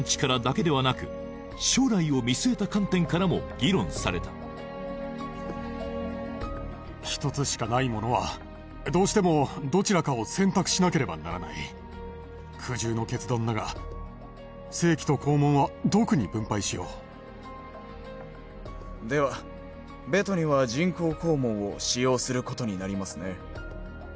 それはされた１つしかないものはどうしてもどちらかを選択しなければならない苦渋の決断だが性器と肛門はドクに分配しようではベトには人工肛門を使用することになりますね